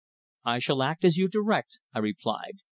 "I shall act as you direct," I replied.